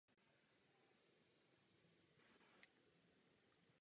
Všichni souhlasili.